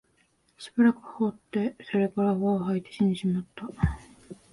しばらく吠って、それから泡を吐いて死んでしまいました